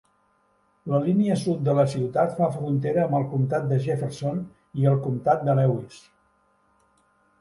La línia sud de la ciutat fa frontera amb el comtat de Jefferson i el comtat de Lewis.